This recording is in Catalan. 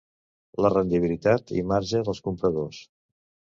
La rendibilitat i marge dels compradors.